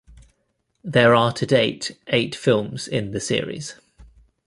There are to date eight films in the series.